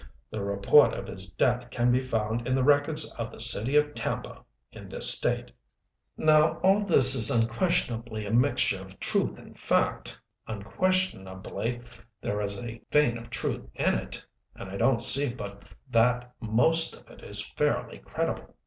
The report of his death can be found in the records of the city of Tampa, in this state. "Now all this is unquestionably a mixture of truth and fact. Unquestionably there is a vein of truth in it; and I don't see but that most of it is fairly credible.